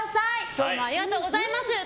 今日もありがとうございます。